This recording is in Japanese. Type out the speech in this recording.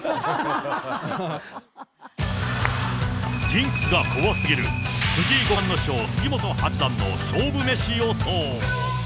ジンクスが怖すぎる、藤井五冠の師匠、杉本八段の勝負メシ予想。